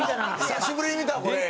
久しぶりに見たわこれ。